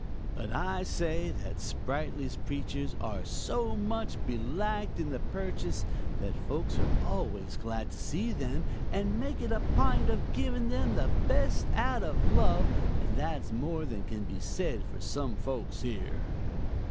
But I say that Sprightly's preachers are so much beliked in the Purchase, that folks are always glad to see them, and make a pint of giving them the best out of love; an' that's more than can be said for some folks here.